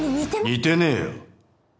似てねえよ。